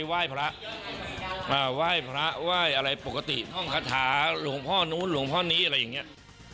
ว่าอะไรปกติห้องคาถาหลวงพ่อนู้นหลวงพ่อนี้อะไรอย่างเงี้ย